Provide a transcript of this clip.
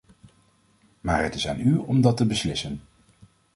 Maar het is aan u om dat te beslissen!